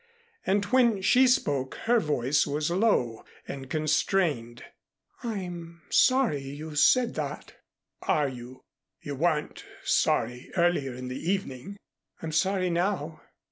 And when she spoke her voice was low and constrained. "I'm sorry you said that." "Are you? You weren't sorry earlier in the evening." "I'm sorry now."